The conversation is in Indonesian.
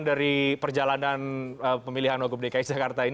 dari perjalanan pemilihan wgpks jakarta ini